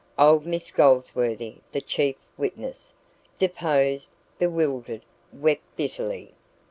Old Miss Goldsworthy, the chief witness, deposed, bewildered, wept bitterly.